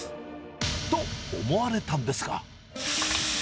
と思われたんですが。